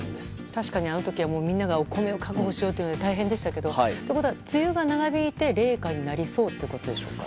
確かに、あの時はみんながお米を確保しようということで大変でしたけどということは梅雨が長引いて冷夏になりそうということでしょうか。